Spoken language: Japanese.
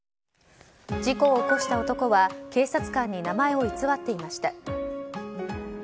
事故を起こした男は警察官に名前を偽っていました。